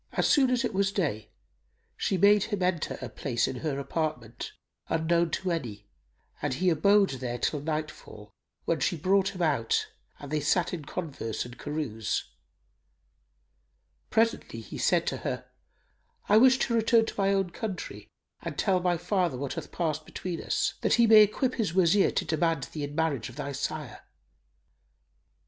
As soon as it was day, she made him enter a place in her apartment unknown to any and he abode there till nightfall, when she brought him out and they sat in converse and carouse. Presently he said to her, "I wish to return to my own country and tell my father what hath passed between us, that he may equip his Wazir to demand thee in marriage of thy sire."